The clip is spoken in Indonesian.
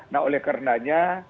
nah oleh karenanya